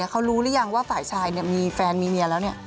เขารู้หรือยังว่าฝ่ายชายมีแฟนมีเมียแล้ว